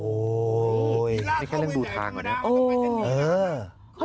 โอ้ยไม่แค่เรื่องดูทางกันนะ